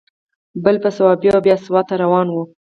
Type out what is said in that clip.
بله په صوابۍ او بیا سوات ته روان و.